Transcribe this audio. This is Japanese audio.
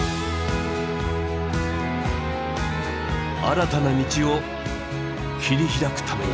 新たな道を切り開くために。